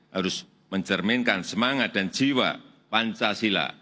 harus mencerminkan semangat dan jiwa pancasila